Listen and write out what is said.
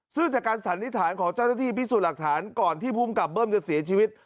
ซึ่งจากการสันนิษฐานของเจ้าหน้าที่พิสูจน์หลักฐานก่อนที่ภูมิกับเบิ้มจะเสียชีวิต